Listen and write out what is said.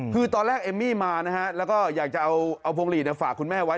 คือตอนแรกเอมมี่มานะฮะแล้วก็อยากจะเอาพวงหลีดฝากคุณแม่ไว้